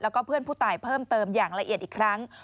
แล้วก็เพื่อนผู้ตายเพิ่มเติมอย่างละเอียดอีกครั้ง